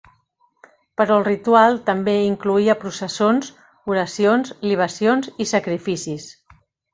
Però el ritual també incloïa processons, oracions, libacions i sacrificis.